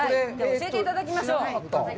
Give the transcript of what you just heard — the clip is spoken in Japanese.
教えていただきましょう。